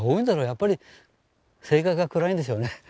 やっぱり性格が暗いんでしょうね